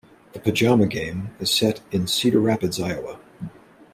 "The Pajama Game" is set in Cedar Rapids, Iowa.